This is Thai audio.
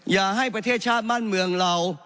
อย่าให้ประเทศชาติบ้านเมืองเรา